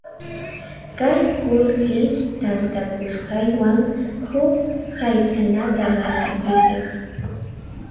Kay qullqi tantakusqaywan huk hayt'anata rantikusaq.